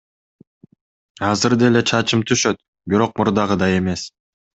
Азыр деле чачым түшөт, бирок мурдагыдай эмес.